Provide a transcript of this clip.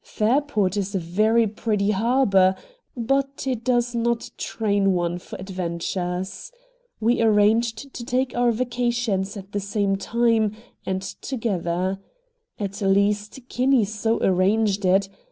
Fairport is a very pretty harbor, but it does not train one for adventures. We arranged to take our vacation at the same time, and together. At least Kinney so arranged it.